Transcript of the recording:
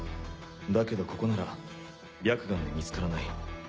だけどここなら白眼で見つからない。